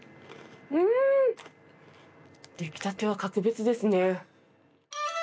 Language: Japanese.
出来たては格別ですね。